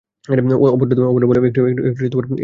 অভদ্র বললে একটু কমই বলা হয়।